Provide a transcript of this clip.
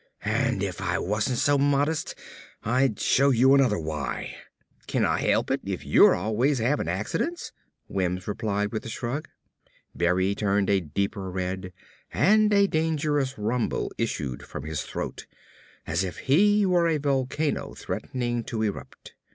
"And if I weren't so modest I'd show you another why!" "Kin Ah help it if you're always havin' accidents?" Wims replied with a shrug. Berry turned a deeper red and a dangerous rumble issued from his throat, as if he were a volcano threatening to erupt.